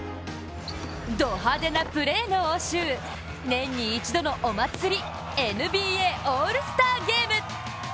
ド派手なプレーの応酬、年に一度のお祭りＮＢＡオールスターゲーム！